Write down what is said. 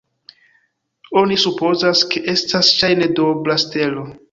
Oni supozas, ke estas ŝajne duobla stelo.